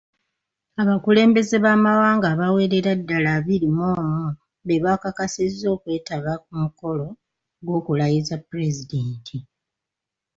Abakulembeze b'amawanga abawerera ddala abiri mu omu be bakakasizza okwetaba ku mukolo gw'okulayiza Pulezidenti.